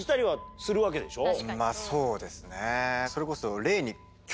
まぁそうですねそれこそ。